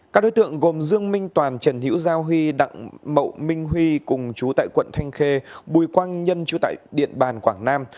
các đối tượng gồm dương minh toàn trần hiễu giao huy đặng mậu minh huy cùng chú tại quận thanh khê bùi quang nhân chú tại điện bàn quảng nam